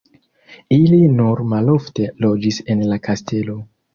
Ili nur malofte loĝis en la kastelo.